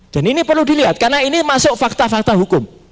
dan ini perlu dilihat karena ini masuk fakta fakta hukum